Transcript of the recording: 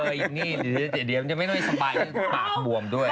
เดี๋ยวเดี๋ยวไม่ได้สบายปากบวมด้วย